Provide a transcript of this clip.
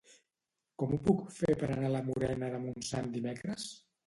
Com ho puc fer per anar a la Morera de Montsant dimecres?